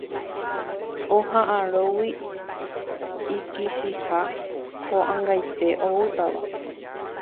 Oha'ãrõgui ikichiha ko'ag̃aite oútava.